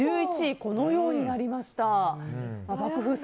このようになりました。